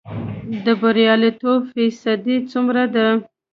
د بریالیتوب فیصدی څومره ده؟